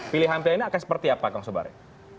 pilihan pilihan ini akan seperti apa kang sobari